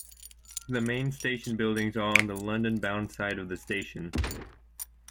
The main station buildings are on the London-bound side of the station.